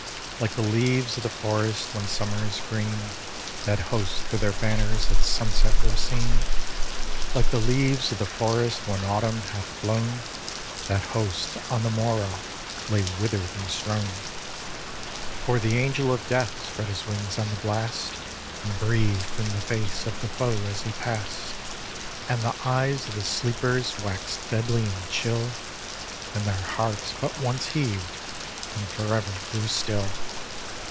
Like the leaves of the forest when summer is green. That host with their banners at sunset were seen: Like the leaves of the forest when Autumn hath blown That host on the morrow lay wither'd and strown. For the Angel of Death spread his wings on the blast. And breathed in the face of the foe as he pass'd; 484 THE DESTRUCTION OF SENNACHERIB And the eyes of the sleepers wax'd deadly and chill, And their hearts but once heaved, and forever grew still!